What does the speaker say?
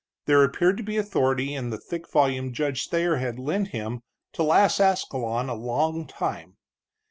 There appeared to be authority in the thick volume Judge Thayer had lent him to last Ascalon a long time.